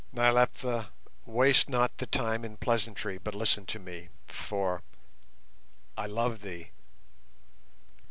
Nyleptha, waste not the time in pleasantry, but listen to me, for—I love thee."